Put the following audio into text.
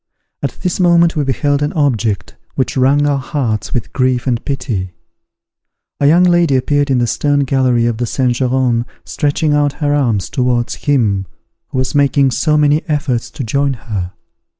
At this moment we beheld an object which wrung our hearts with grief and pity; a young lady appeared in the stern gallery of the Saint Geran, stretching out her arms towards him who was making so many efforts to join her.